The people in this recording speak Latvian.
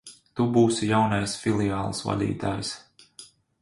Tu būsi jaunais filiāles vadītājs.